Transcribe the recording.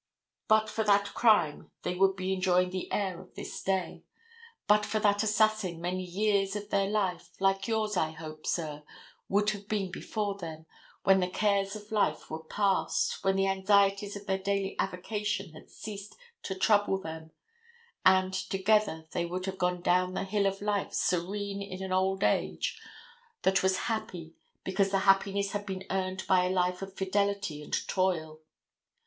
But for that crime they would be enjoying the air of this day. But for that assassin many years of their life, like yours, I hope, sir, would have been before them, when the cares of life were past, when the anxieties of their daily avocation had ceased to trouble them, and together they would have gone down the hill of life serene in an old age that was happy because the happiness had been earned by a life of fidelity and toil.